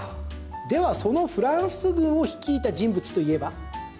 では、そのフランス軍を率いた人物と言えば？